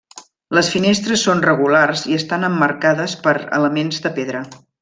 Les finestres són regulars i estan emmarcades per elements de pedra.